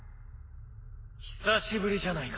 久しぶりじゃないか。